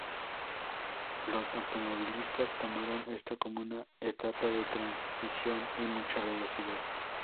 Los automovilistas tomaron esto como una etapa de transición y mucha velocidad.